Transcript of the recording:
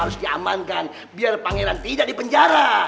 harus diamankan biar pangeran tidak dipenjara